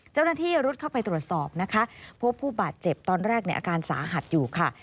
เจ้าหน้าที่รุดเข้าไปตรวจสอบนะคะพบผู้บาดเจ็บตอนแรกเนี่ยอาการสาหัสอยู่ค่ะ